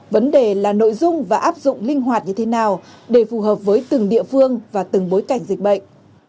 vấn đề là nội dung và áp dụng linh hoạt như thế nào để phù hợp với từng địa phương và từng bối cảnh dịch bệnh